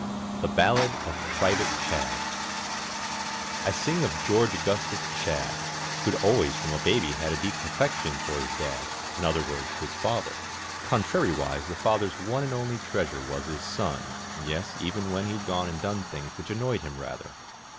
THE BALLAD OF PRIVATE CHADD I sing of George Augustus Chadd, Who'd always from a baby had A deep affection for his Dad In other words, his Father; Contrariwise, the father's one And only treasure was his son, Yes, even when he'd gone and done Things which annoyed him rather.